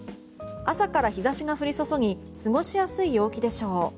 朝から日差しが降り注ぎ過ごしやすい陽気でしょう。